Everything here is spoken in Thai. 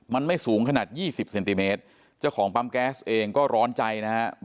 มันไม่สูงขนาดยี่สิบเซนติเมตรเจ้าของปั๊มแก๊สเองก็ร้อนใจนะฮะ